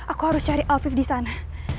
aku harus cari alvif disana